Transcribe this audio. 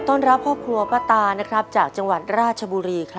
ขอต้อนรับครอบครัวพระตาจากจังหวัดราชบุรี